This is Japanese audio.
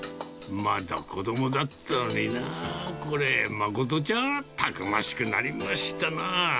まだ子どもだったのになあ、これ、誠ちゃん、たくましくなりましたなぁ。